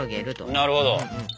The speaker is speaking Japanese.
なるほど。